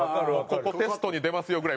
ここテストに出ますよぐらい。